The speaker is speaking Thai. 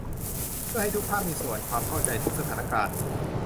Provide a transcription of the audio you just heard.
เพื่อให้ทุกภาคส่วนมีความเข้าใจถึงสถานการณ์